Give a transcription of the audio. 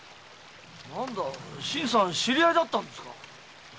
何だ新さん知り合いだったんですか？